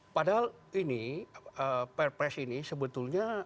padahal ini perpres ini sebetulnya